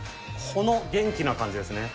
この元気な感じですね。